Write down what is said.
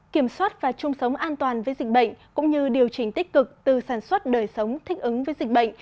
kiểm soát và chung sống an toàn với dịch bệnh cũng như điều chỉnh tích cực từ sản xuất đời sống thích ứng với dịch bệnh